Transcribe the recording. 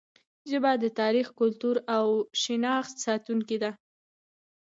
ژبه د تاریخ، کلتور او شناخت ساتونکې ده.